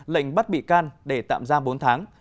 lệnh bắt bị can để tạm giam bốn tháng